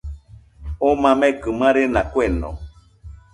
Oo mamekɨ marena kueno